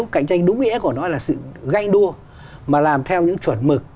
cạnh tranh đúng nghĩa của nó là sự ganh đua mà làm theo những chuẩn mực